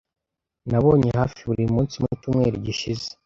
Nabonye hafi buri munsi mucyumweru gishize.